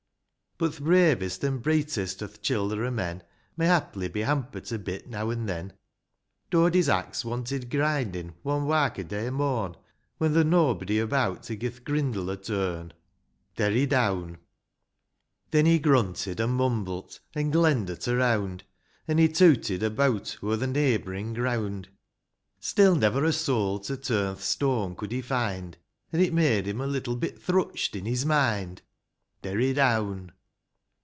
II. But th' bravest and breetest o'th childer o' men. May haply be hamper't a bit now an' then ; Dody's axe wanted grindin', one wark a day morn. When there nob'dy about to gi' th' grindle a turn. Derry down. THE GRINDLESTONE. II III. Then he grunted, an' mumble't, an' glendur't around, An' he tooted about o'er the neigbourin' ground ; Still, never a soul to turn th' stone could he find, An' it made him a little bit thrutched in his mind. Derry down.